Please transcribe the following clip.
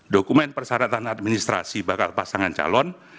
dokumen persyaratan administrasi bakal pasangan calon